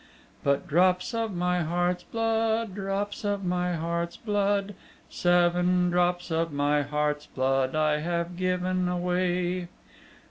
But drops of my heart's blood, drops of my heart's blood, Seven drops of my heart's blood I have given away.